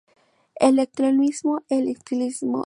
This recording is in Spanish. El eclecticismo estilístico es la base fundamental del grupo.